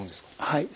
はい。